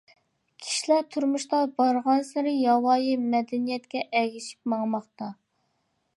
كىشىلەر تۇرمۇشتا بارغانسېرى ياۋايى مەدەنىيەتكە ئەگىشىپ ماڭماقتا.